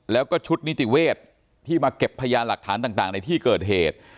แล้วก็ชุดนิติเวศที่มาเก็บพยานหลักฐานต่างในที่เกิดเหตุ